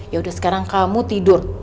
yaudah sekarang kamu tidur